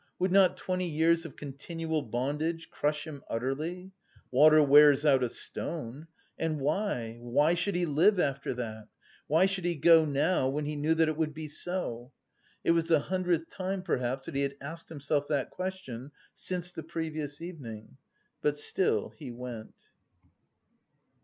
Would not twenty years of continual bondage crush him utterly? Water wears out a stone. And why, why should he live after that? Why should he go now when he knew that it would be so? It was the hundredth time perhaps that he had asked himself that question since the previous evening, but still he went.